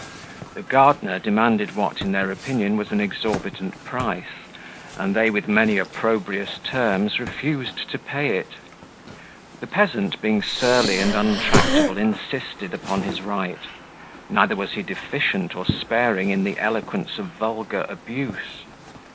The gardener demanded what, in their opinion, was an exorbitant price, and they with many opprobrious terms refused to pay it. The peasant, being surly and untractable, insisted upon his right; neither was he deficient or sparing in the eloquence of vulgar abuse.